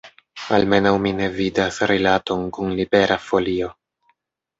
Almenaŭ mi ne vidas rilaton kun libera volo.